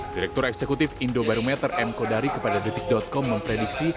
direktur eksekutif indobarometer m kodari kepada detik com memprediksi